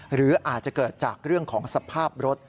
หรืออาจจะเกิดจากเรื่องของสภาพรถ